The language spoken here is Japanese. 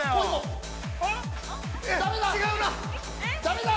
◆だめだ。